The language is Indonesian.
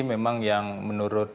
memang yang menurut